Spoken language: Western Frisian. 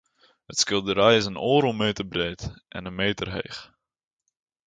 It skilderij is oardel meter breed en in meter heech.